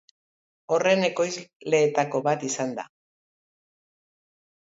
Horren ekoizleetako bat izan da.